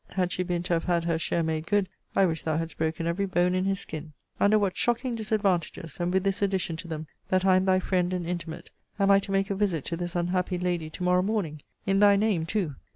Had she been to have had her share made good, I wish thou hadst broken every bone in his skin. Under what shocking disadvantages, and with this addition to them, that I am thy friend and intimate, am I to make a visit to this unhappy lady to morrow morning! In thy name, too!